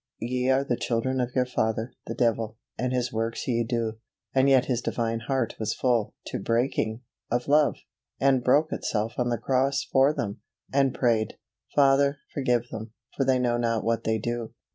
ye are the children of your father, the devil, and his works ye do." And yet His Divine heart was full, to breaking, of love, and broke itself on the cross for them, and prayed, "Father, forgive them; for they know not what they do."